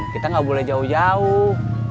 kita nggak boleh jauh jauh